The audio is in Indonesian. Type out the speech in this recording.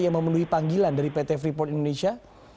yang memenuhi panggilan dari pt freeport indonesia